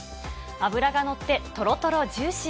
脂が乗って、とろとろジューシー。